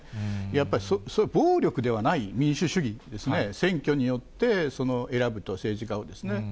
やっぱり、暴力ではない民主主義ですね、選挙によって選ぶと、政治家を。